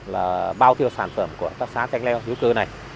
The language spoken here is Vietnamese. là bao tiêu sản phẩm của tác xá tranh leo hữu cơ này